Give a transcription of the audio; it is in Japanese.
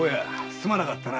すまなかったな。